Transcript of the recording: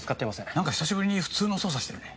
なんか久しぶりに普通の捜査してるね。